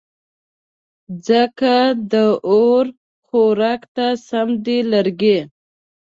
ځکه د اور خوراک ته سم دي لرګې